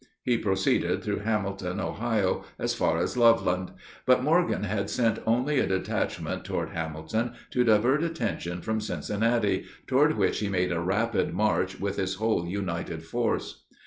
He proceeded through Hamilton, Ohio, as far as Loveland. But Morgan had sent only a detachment toward Hamilton to divert attention from Cincinnati, toward which he made a rapid march with his whole united force.